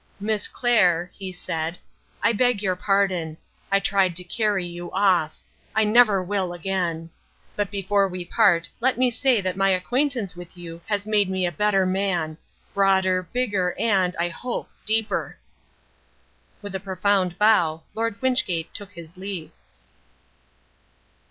"Miss Clair," he said, "I ask your pardon. I tried to carry you off. I never will again. But before we part let me say that my acquaintance with you has made me a better man, broader, bigger and, I hope, deeper." With a profound bow, Lord Wynchgate took his leave.